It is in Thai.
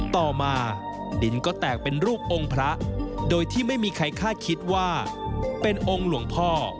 ต่อมาดินก็แตกเป็นรูปองค์พระโดยที่ไม่มีใครคาดคิดว่าเป็นองค์หลวงพ่อ